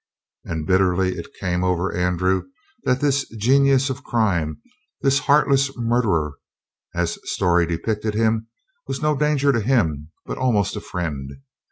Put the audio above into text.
And bitterly it came over Andrew that this genius of crime, this heartless murderer as story depicted him, was no danger to him but almost a friend.